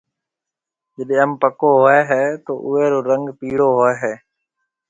جيڏيَ انڀ پڪو هوئي هيَ تو اوئي رو رنگ پِيڙو هوئي هيَ۔